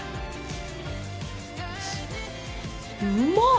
うまっ。